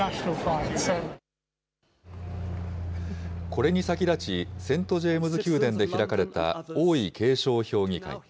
これに先立ち、セントジェームズ宮殿で開かれた王位継承評議会。